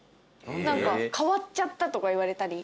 何か変わっちゃったとか言われたり。